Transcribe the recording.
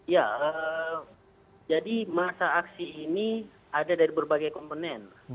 ya jadi masa aksi ini ada dari berbagai komponen